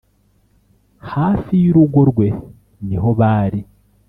hafi y'urugo rwe niho bari